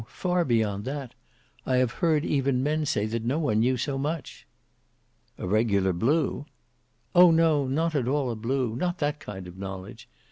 far beyond that; I have heard even men say that no one knew so much." "A regular blue?" "Oh! no; not at all a blue; not that kind of knowledge.